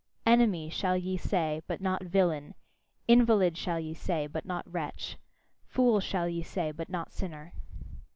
"Enemy" shall ye say but not "villain," "invalid" shall ye say but not "wretch," "fool" shall ye say but not "sinner."